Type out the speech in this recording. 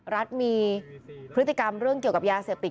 รัฐมีพฤติกรรมเรื่องเกี่ยวกับยาเสพติด